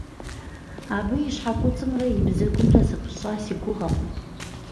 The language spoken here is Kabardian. Абы и щхьэкуцӏымрэ и бзэгумрэ зэпыщӏа си гугъэкъым.